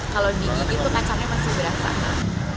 kalau digigit tuh kacangnya masih berasakan